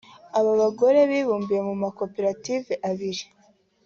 Aba bagore bibumbiye mu makoperative abiri